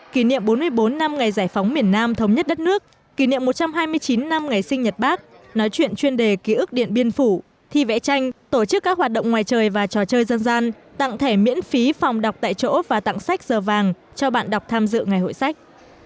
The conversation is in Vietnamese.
kỷ niệm bốn mươi bốn năm ngày giải phóng miền nam thống nhất đất nước kỷ niệm một trăm hai mươi chín năm ngày sinh nhật bác nói chuyện chuyên đề ký ức điện biên phủ thi vẽ tranh tổ chức các hoạt động ngoài trời và trò chơi dân gian tặng thẻ miễn phí phòng đọc tại chỗ và tặng sách giờ vàng cho bạn đọc tham dự ngày hội sách